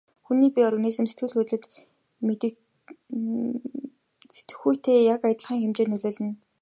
Хүний бие организм нь сэтгэл хөдлөлд сэтгэхүйтэй яг адилхан хэмжээнд нөлөөлнө.